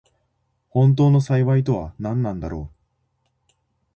本当の幸いとはなんだろう。